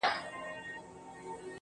گوره رسوا بـــه سـو وړې خلگ خـبـري كـوي,